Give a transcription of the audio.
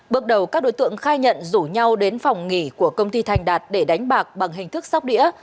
bước đầu các đối tượng khai nhận rủ nhau đến phòng nghỉ của công ty thành đạt để đánh bạc bằng hình thức sóc đĩa